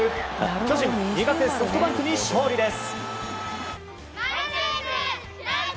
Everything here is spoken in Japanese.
巨人、苦手ソフトバンクに勝利です！